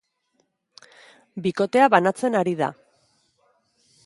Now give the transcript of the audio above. Bikotea banatzen ari da.